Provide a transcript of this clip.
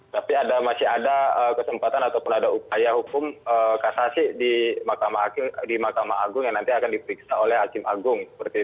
tapi masih ada kesempatan ataupun ada upaya hukum kasasi di mahkamah agung yang nanti akan diperiksa oleh hakim agung